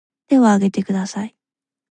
手を挙げてください